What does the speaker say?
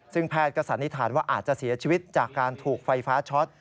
ซึ่งแพทย์ก็สันนิษฐานว่าอาจจะเสียชีวิตจากการถูกไฟฟ้าช็อต